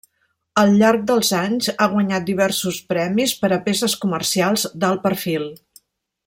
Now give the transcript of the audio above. Al llarg dels anys ha guanyat diversos premis per a peces comercials d'alt perfil.